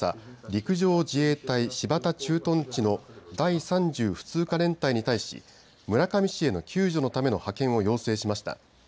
陸上自衛隊新発田駐屯地の第３０普通科連隊に対し村上市への救助のための派遣を要請しました。